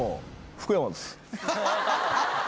福山です。